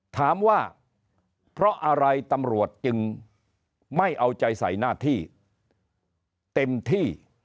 ถามว่าเพราะอะไรตำรวจจึงไม่เอาใจใส่หน้าที่เต็มที่